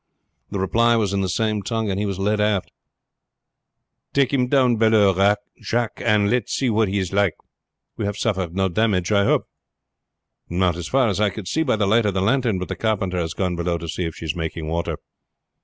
The reply was in the same tongue, and he was led aft. "Take him down below, Jacques, and let's see what he is like. We have suffered no damage, I hope?" "Not as far as I could see by the light of the lantern, but the carpenter has gone below to see if she is making water."